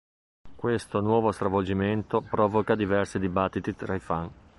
Questo nuovo stravolgimento provoca diversi dibattiti tra i fan.